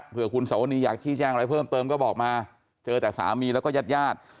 เพื่อคุณสวนีอยากชี้แจ้งอะไรเพิ่มเติมก็บอกมาเจอแต่สามีแล้วก็ญาติญาติ